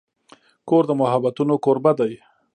کور د محبتونو کوربه دی.